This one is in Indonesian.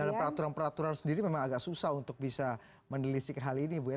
dalam peraturan peraturan sendiri memang agak susah untuk bisa menelisik hal ini bu ya